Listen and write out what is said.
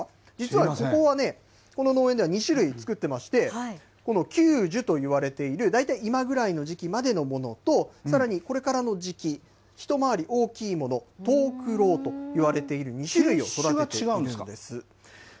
実はこの農園では２種類作ってまして、この久寿といわれている、大体今ぐらいの時期までのものと、さらにこれからの時期、一回り大きいもの、藤九郎といわれている品種が違うんですか？